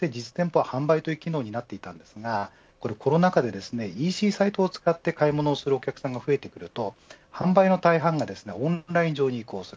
実店舗は販売という機能になっていましたがコロナ禍でＥＣサイトを使って買い物するお客さんが増えてくると販売の大半がオンライン上に移行する。